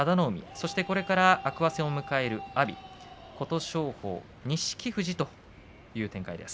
そしてこれから天空海戦を迎える阿炎そして琴勝峰、錦富士という展開です。